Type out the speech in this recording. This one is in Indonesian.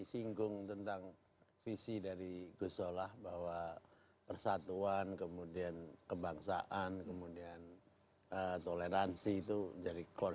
singgung tentang visi dari gus solah bahwa persatuan kemudian kebangsaan kemudian toleransi itu jadi core